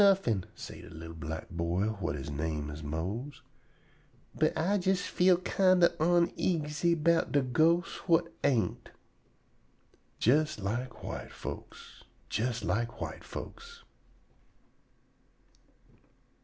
"Nuffin'," say de li'l black boy whut he name is Mose; "but I jes feel kinder oneasy 'bout de ghosts whut ain't." Jes lak white folks! Jes lak white folks!